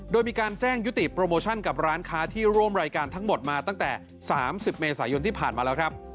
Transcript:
โดยมีการแจ้งยุติโปรโมชั่นกับร้านค้าที่ร่วมรายการทั้งหมดมาตั้งแต่๓๐เมษายนที่ผ่านมาแล้วครับ